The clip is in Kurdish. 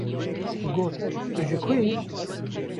Got: ‘’ Tu ji ku yî? ‘’